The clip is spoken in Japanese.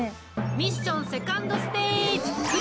ミッションセカンドステージわ。